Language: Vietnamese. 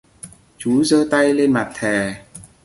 Chú Giơ tay lên mặt thề